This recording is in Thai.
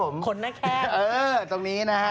ทักคนน่าแคบ